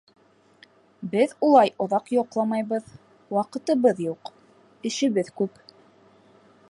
Беҙ улай оҙаҡ йоҡламайбыҙ, ваҡытыбыҙ юҡ, эшебеҙ күп.